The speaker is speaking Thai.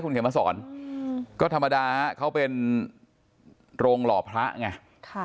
คุณเขียนมาสอนก็ธรรมดาเขาเป็นโรงหล่อพระไง